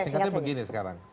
singkatnya begini sekarang